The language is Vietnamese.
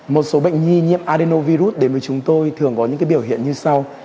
một số bệnh nhi nhiễm adeno virus đến với chúng tôi thường có những biểu hiện như sau